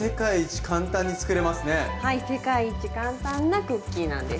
はい世界一簡単なクッキーなんです。